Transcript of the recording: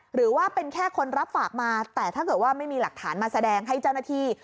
หรือว่าเป็นแค่คนรับฝากมาแต่ถ้าเกิดว่าไม่มีหลักฐานมาแสดงให้เจ้าหน้าที่